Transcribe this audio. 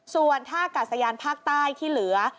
ส่วนท่ากาศยานภาคใต้ที่เหลือ